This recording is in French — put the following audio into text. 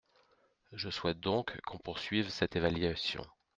Je souhaite donc qu’on poursuive cette évaluation.